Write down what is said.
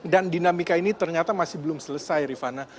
dan dinamika ini ternyata masih belum selesai rifana